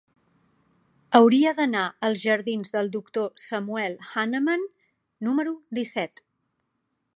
Hauria d'anar als jardins del Doctor Samuel Hahnemann número disset.